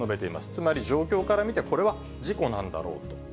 つまり状況から見て、これは事故なんだろうと。